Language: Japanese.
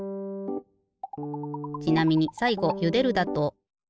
ちなみにさいごゆでるだと。